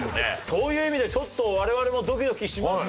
そういう意味ではちょっと我々もドキドキしますが。